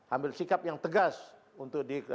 ambil sikap yang tegas untuk di